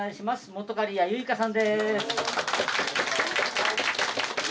本仮屋ユイカさんです。